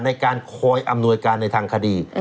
ในการคอยอำนวยการในทางคดี